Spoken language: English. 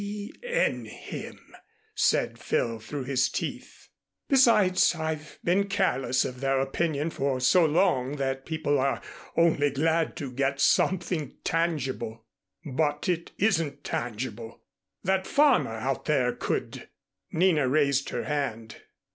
"D n him," said Phil, through his teeth. "Besides, I've been careless of their opinion for so long that people are only glad to get something tangible." "But it isn't tangible. That farmer out there could " Nina raised her hand.